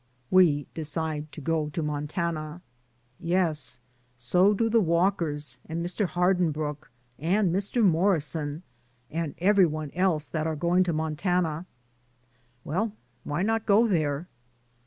WE DECIDE TO GO TO MONTANA. "Yes, so do the Walkers, and Mr. Hardin brooke, and Mr. Morrison, and everyone else that are going to Montana." "Well, why not go there?"